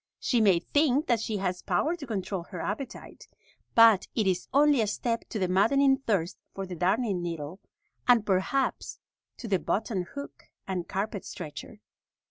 She may think that she has power to control her appetite, but it is only a step to the maddening thirst for the darning needle, and perhaps to the button hook and carpet stretcher.